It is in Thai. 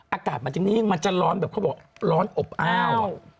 อากาศมาถึงนี่มันจะร้อนแบบเขาบอกร้อนอบอ้าว